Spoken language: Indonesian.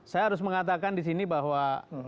saya harus mengatakan disini bahwa